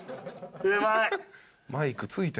うまい。